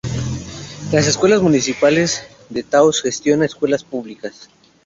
Las Escuelas Municipales de Taos gestiona escuelas públicas.